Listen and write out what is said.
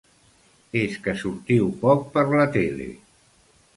És que sortiu poc per la tele.